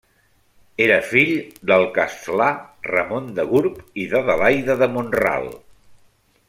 Era fill del castlà Ramon de Gurb i d'Adelaida de Mont-ral.